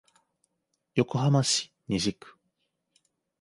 横浜市西区